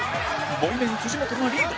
ボイメン本がリード